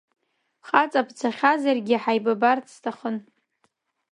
Хаҵа бцахьазаргьы ҳаибабарц сҭахын.